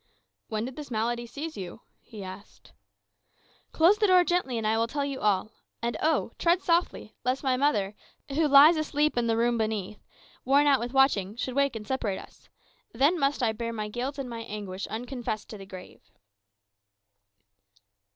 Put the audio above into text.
"When did this malady seize you?" he asked. "Close the door gently, and I will tell you all. And oh! tread softly, lest my mother, who lies asleep in the room beneath, worn out with watching, should wake and separate us. Then must I bear my guilt and my anguish unconfessed to the grave."